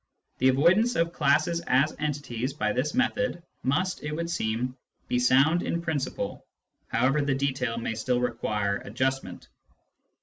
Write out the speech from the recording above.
The avoidance of classes as entities by this method must, it would seem, be sound in principle, however the detail may still require adjustment.